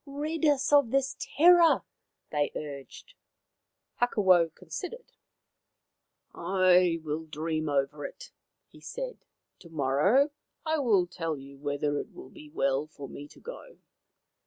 " Rid us of this terror/' they urged. Hakawau considered. " I will dream over it/ 1 he said. " To morrow I will tell you whether it will be well for me to go."